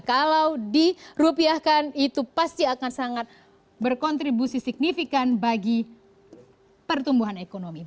kalau dirupiahkan itu pasti akan sangat berkontribusi signifikan bagi pertumbuhan ekonomi